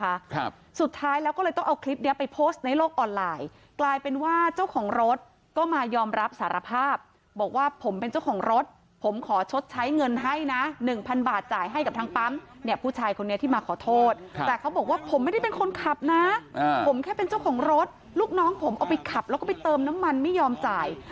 ครับสุดท้ายแล้วก็เลยต้องเอาคลิปเนี้ยไปโพสต์ในโลกออนไลน์กลายเป็นว่าเจ้าของรถก็มายอมรับสารภาพบอกว่าผมเป็นเจ้าของรถผมขอชดใช้เงินให้นะหนึ่งพันบาทจ่ายให้กับทางปั๊มเนี่ยผู้ชายคนนี้ที่มาขอโทษครับแต่เขาบอกว่าผมไม่ได้เป็นคนขับนะอ่าผมแค่เป็นเจ้าของรถลูกน้องผมเอาไปขับแล้วก็ไปเติมน้ำมันไม่ยอมจ่าย